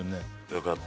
よかった